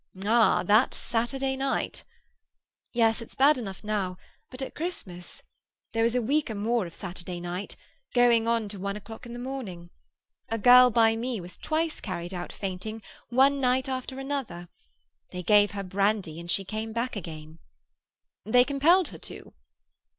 "Ah, that Saturday night!" "Yes, it's bad enough now; but at Christmas! There was a week or more of Saturday night—going on to one o'clock in the morning. A girl by me was twice carried out fainting, one night after another. They gave her brandy, and she came back again." "They compelled her to?"